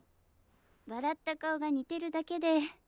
笑った顔が似てるだけで。